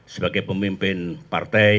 sebagai pemimpin partai